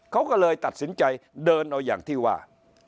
เขาก็เลยตัดสินใจเดินเอาอย่างที่ว่า